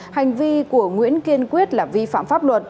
hành vi của nguyễn kiên quyết là vi phạm pháp luật